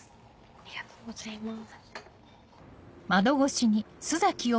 ありがとうございます。